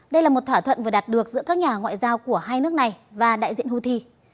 đây là một thỏa thuận vừa đạt được giữa các nhà ngoại giao của hai nước này và đại diện houthi